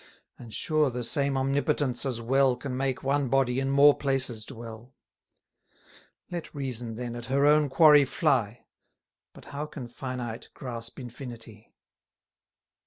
And sure the same Omnipotence as well Can make one body in more places dwell. Let reason, then, at her own quarry fly, But how can finite grasp infinity?